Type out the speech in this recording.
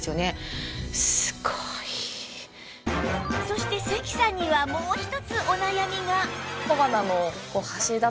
そして関さんにはもう一つお悩みが